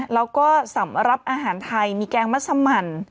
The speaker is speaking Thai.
แล้วก็สำหรับอาหารไทยมีแกงมัสมัน